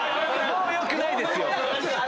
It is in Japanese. もう良くないですよ！